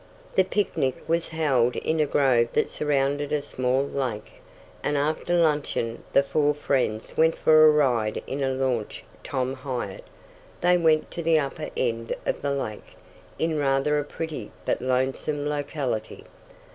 The picnic was held in a grove that surrounded a small lake, and after luncheon the four friends went for a ride in a launch Tom hired. They went to the upper end of the lake, in rather a pretty but lonesome locality.